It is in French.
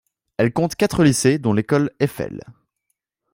Elle compte quatre lycées dont l’école Eiffel.